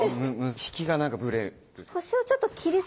引きが何かブレる。